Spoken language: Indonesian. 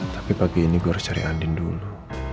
tapi pagi ini gue harus cari aden dulu